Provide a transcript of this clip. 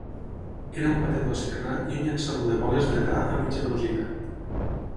Era un batedor esquerrà i un llançador de boles dretà a mitja velocitat.